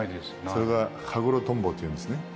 それがハグロトンボっていうんですね。